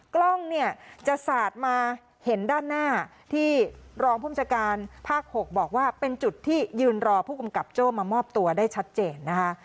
กล้องเนี่ยจะสาดมาเห็นด้านหน้าที่รองภูมิชาการภาค๖บอกว่าเป็นจุดที่ยืนรอผู้กำกับโจ้มามอบตัวได้ชัดเจนนะคะ